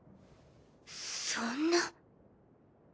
そんな。